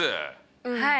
はい。